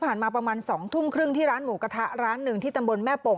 มาประมาณ๒ทุ่มครึ่งที่ร้านหมูกระทะร้านหนึ่งที่ตำบลแม่โป่ง